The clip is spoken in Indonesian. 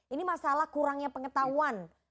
ini masalah kurangnya pengetahuan